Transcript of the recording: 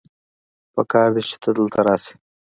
پکار دی چې ته دلته راشې